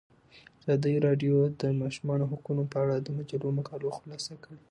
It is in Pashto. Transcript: ازادي راډیو د د ماشومانو حقونه په اړه د مجلو مقالو خلاصه کړې.